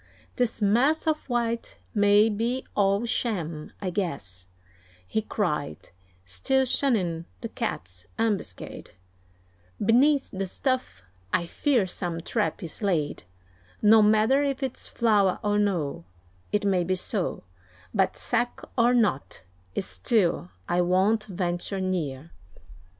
"This mass of white may be all sham, I guess," He cried, still shunning the Cat's ambuscade: "Beneath the stuff I fear some trap is laid; No matter if it's flour or no, It may be so; But sack or not, still I won't venture near."